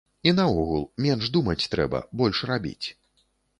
І наогул, менш думаць трэба, больш рабіць.